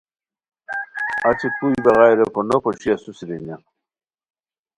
اچی کوئی بغائے ریکو نوپوشی اسوسی رینیان!